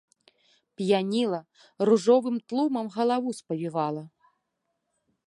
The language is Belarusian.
П'яніла, ружовым тлумам галаву спавівала.